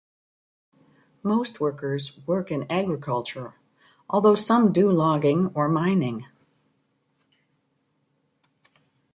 Most workers work in agriculture although some do logging or mining.